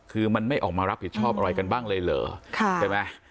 คือมันไม่ออกมารับผิดชอบอะไรกันบ้างเลยเหรอใช่ไหม